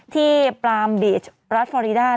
ที่ปรามบีชรัฐฟอรีดา